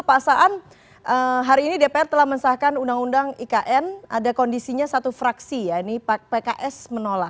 pak saan hari ini dpr telah mensahkan undang undang ikn ada kondisinya satu fraksi ya ini pks menolak